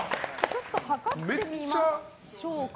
ちょっと測ってみましょうか。